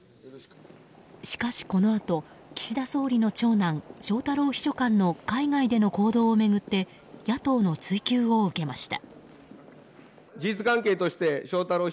しかし、このあと岸田総理の長男・翔太郎秘書官の海外での行動を巡って野党の追及を受けました。